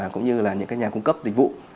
cũng như là những nhà cung cấp dịch vụ